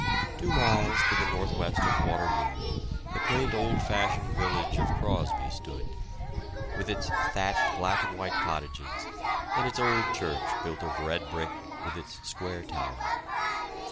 Two miles to the north west of Waterloo the quaint old fashioned village of Crosby stood, with its thatched black and white cottages and its old church built of red brick with its square tower.